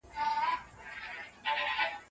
زکات د ټولني روغتیا ده.